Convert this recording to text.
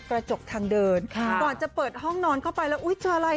กระจกทางเดินค่ะก่อนจะเปิดห้องนอนเข้าไปแล้วอุ้ยเจออะไร